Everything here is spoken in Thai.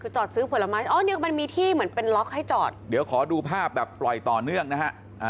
คือจอดซื้อผลไม้อ๋อเนี้ยมันมีที่เหมือนเป็นล็อกให้จอดเดี๋ยวขอดูภาพแบบปล่อยต่อเนื่องนะฮะ